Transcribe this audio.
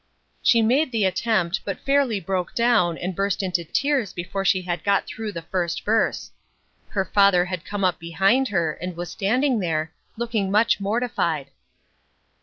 She made the attempt, but fairly broke down, and burst into tears before she had got through the first verse. Her father had come up behind her, and was standing there, looking much mortified.